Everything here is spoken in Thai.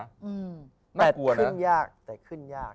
คืนยากแต่ขึ้นยาก